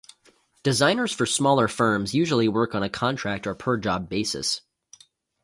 Designers for smaller firms usually work on a contract or per-job basis.